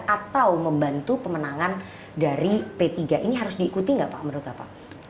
atau membantu pemenangan dari p tiga ini harus diikuti nggak pak menurut apa